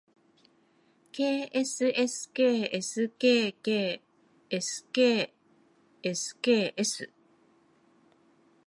ｋｓｓｋｓｋｋｓｋｓｋｓ